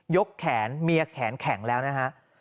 กแขนเมียแขนแข็งแล้วนะฮะ